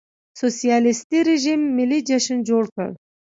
سوسیالېستي رژیم ملي جشن جوړ کړ.